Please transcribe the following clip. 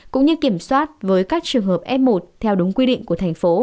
cũng như kiểm soát với các trường hợp f một theo đúng quy định của thành phố